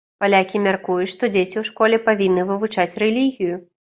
Палякі мяркуюць, што дзеці ў школе павінны вывучаць рэлігію.